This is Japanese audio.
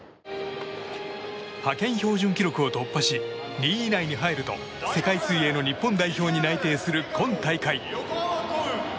派遣標準記録を突破し２位以内に入ると世界水泳の日本代表に内定する今大会。